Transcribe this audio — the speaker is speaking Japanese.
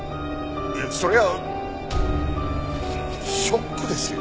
そりゃあショックですよ。